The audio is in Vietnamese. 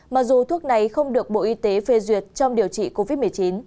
mặc dù thuốc này không được bộ y tế phê duyệt trong điều trị covid một mươi chín